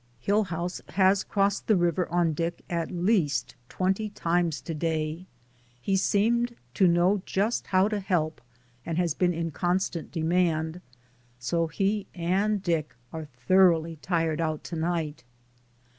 Hillhouse has crossed the river on Dick at least twenty times to day; he seemed to know just how to help and has been in constant demand, so he and Dick are thoroughly tired out to night.